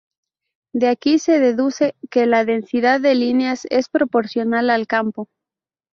De aquí se deduce que la densidad de líneas es proporcional al campo.